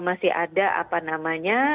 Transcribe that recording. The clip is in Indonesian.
masih ada apa namanya